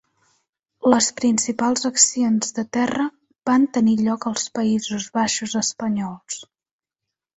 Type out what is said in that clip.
Les principals accions de terra van tenir lloc als Països Baixos espanyols.